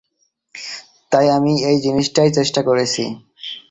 তাই আমি এই জিনিসটাই চেষ্টা করেছি।